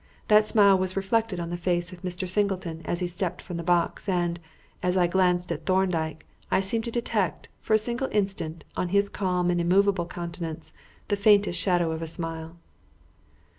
That smile was reflected on the face of Mr. Singleton as he stepped from the box, and, as I glanced at Thorndyke, I seemed to detect, for a single instant, on his calm and immovable countenance, the faintest shadow of a smile.